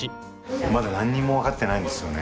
まだ何もわかってないんですよね